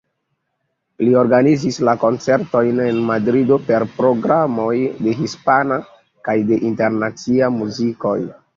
Li organizis la koncertojn en Madrido per programoj de hispana kaj de internacia muzikoj.